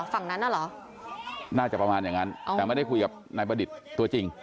ฝั่งนั้นน่ะเหรอน่าจะประมาณอย่างนั้นแต่ไม่ได้คุยกับนายประดิษฐ์ตัวจริง